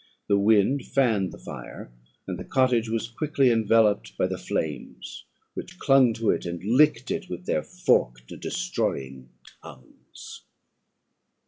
The wind fanned the fire, and the cottage was quickly enveloped by the flames, which clung to it, and licked it with their forked and destroying tongues.